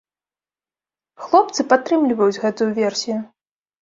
Хлопцы падтрымліваюць гэтую версію.